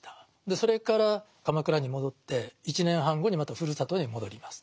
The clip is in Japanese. それから鎌倉に戻って１年半後にまたふるさとに戻ります。